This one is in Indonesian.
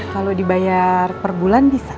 kalau dibayar per bulan bisa